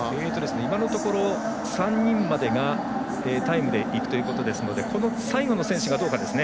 今のところ、３人までがタイムでいくということなのでこの最後の選手がどうかですね。